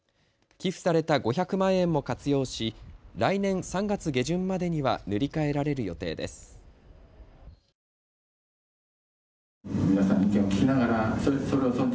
寄付された５００万円も活用し来年３月下旬までには塗り替えられる予定です。